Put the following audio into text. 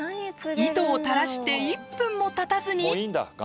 糸をたらして１分もたたずに。